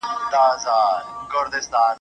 خدای خبر مرګ مو تر سپیني ږیري پرېږدي!